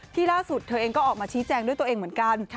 ล่าสุดเธอเองก็ออกมาชี้แจงด้วยตัวเองเหมือนกัน